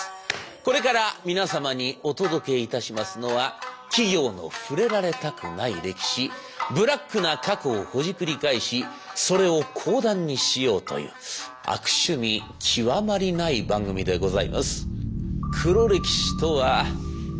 これから皆様にお届けいたしますのは企業の触れられたくない歴史ブラックな過去をほじくり返しそれを講談にしようという悪趣味極まりない番組でございます。